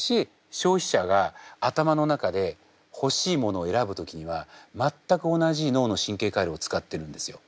消費者が頭の中でほしいものを選ぶ時には全く同じ脳の神経回路を使ってるんですよ。